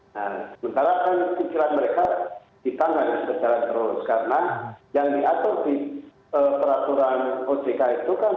nah sementara kan pikiran mereka kita harus berjalan terus karena yang diatur di peraturan ojk itu kan